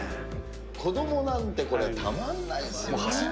子どもなんてこれ、たまんないですよね。